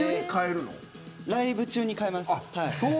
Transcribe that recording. ライブ中に変えます。